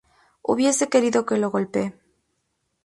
Hubiese querido que lo golpee.